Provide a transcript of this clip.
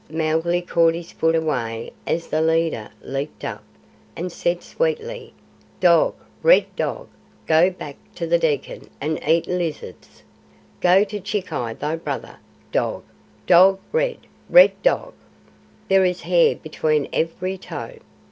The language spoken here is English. Mowgli caught his foot away as the leader leaped up, and said sweetly: "Dog, red dog! Go back to the Dekkan and eat lizards. Go to Chikai thy brother dog, dog red, red dog! There is hair between every toe!"